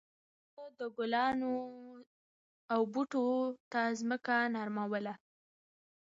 هغه د ګلانو او بوټو ته ځمکه نرموله.